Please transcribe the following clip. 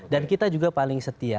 dan kita juga paling setia